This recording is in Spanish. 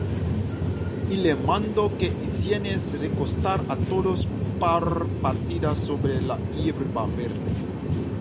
Y les mandó que hiciesen recostar á todos por partidas sobre la hierba verde.